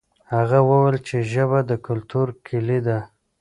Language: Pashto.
هغه وویل چې ژبه د کلتور کلي ده.